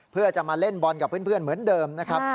เพื่อจะมาเล่นบอลกับเพื่อนเหมือนเดิมนะครับ